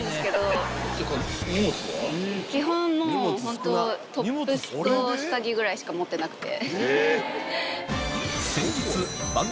基本もうトップスと下着ぐらいしか持ってなくて。